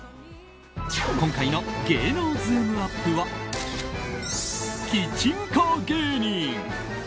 今回の芸能ズームＵＰ！はキッチンカー芸人。